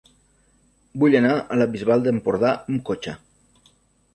Vull anar a la Bisbal d'Empordà amb cotxe.